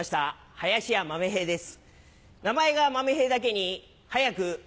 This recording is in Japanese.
林家まめ平です。